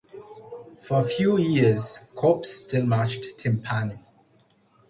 For a few years, corps still marched timpani.